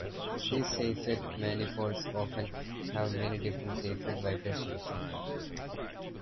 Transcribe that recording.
These Seifert manifolds often have many different Seifert fibrations.